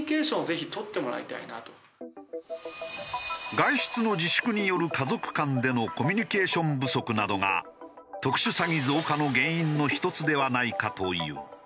外出の自粛による家族間でのコミュニケーション不足などが特殊詐欺増加の原因の１つではないかという。